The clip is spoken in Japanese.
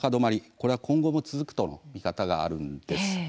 これは今後も続くとの見方があるんです。